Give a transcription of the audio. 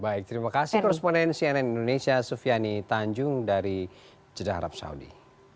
baik terima kasih koresponden cnn indonesia sufiani tanjung dari jeddah arab saudi